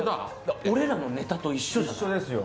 俺らのネタと一緒ですよ。